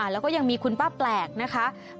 แล้วก็ยังมีคุณป้าแปลกนะคะ